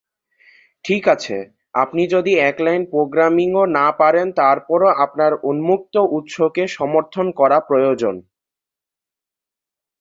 ঠিক আছে, আপনি যদি এক লাইন প্রোগ্রামিং ও না পারেন তারপরেও আপনার উন্মুক্ত উৎসকে সমর্থন করা প্রয়োজন।